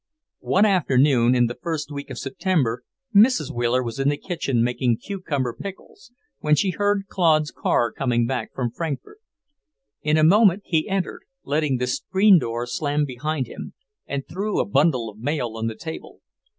One afternoon in the first week of September Mrs. Wheeler was in the kitchen making cucumber pickles, when she heard Claude's car coming back from Frankfort. In a moment he entered, letting the screen door slam behind him, and threw a bundle of mail on the table.